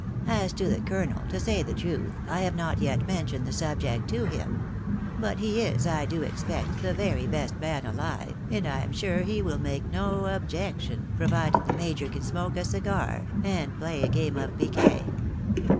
As to the colonel, to say the truth, I have not yet mentioned the subject to him ; but he is, I do expect, the very best man alive, and I am sure he will make no objection, provided the major can smoke a cigar and play a game of piquet.